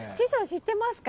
知ってますか？